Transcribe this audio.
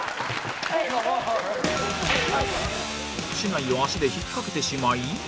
竹刀を足で引っかけてしまい